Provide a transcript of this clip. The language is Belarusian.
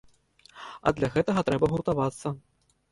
А для гэтага трэба гуртавацца.